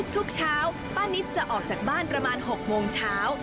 ทุกเช้าป้านิตจะออกจากบ้านประมาณ๖โมงเช้า